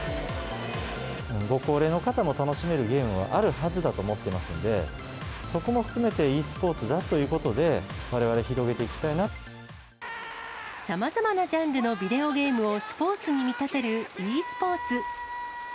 ご高齢の方も楽しめるゲームはあるはずだと思ってますんで、そこも含めてｅスポーツだということで、われわれ広げていきたいさまざまなジャンルのビデオゲームをスポーツに見立てるｅスポーツ。